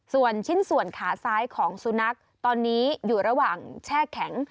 ส่วนชิ้นส่วนขาซ้ายของสุนัขตอนนี้อยู่ระหว่างแช่แข็ง